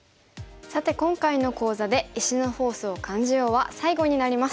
さて今回の講座で「石のフォースを感じよう！」は最後になります。